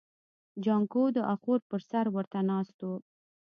جانکو د اخور پر سر ورته ناست و.